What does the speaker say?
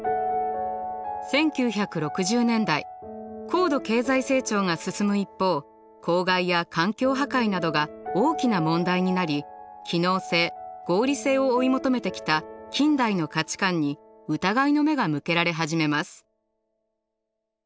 高度経済成長が進む一方公害や環境破壊などが大きな問題になり機能性・合理性を追い求めてきた近代の価値観に疑いの目が向けられ始めます。